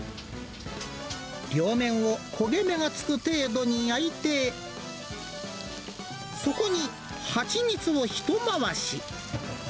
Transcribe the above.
両面を焦げ目がつく程度に焼いて、そこに蜂蜜をひと回し。